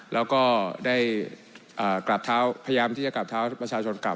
แล้วก็ได้กราบเท้าพยายามที่จะกลับเท้าประชาชนกลับ